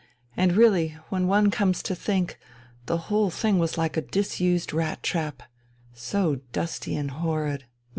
And really, when one comes to think, the whole thing was like a disused rat trap, so dusty and horrid